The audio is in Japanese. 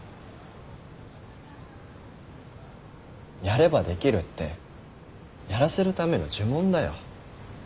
やればできるってやらせるための呪文だよ。